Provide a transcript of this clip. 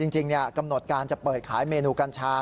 จริงกำหนดการจะเปิดขายเมนูกัญชา